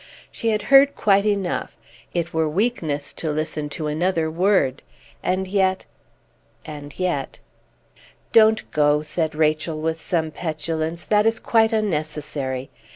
She had heard quite enough; it were weakness to listen to another word; and yet and yet "Don't go," said Rachel, with some petulance; "that is quite unnecessary.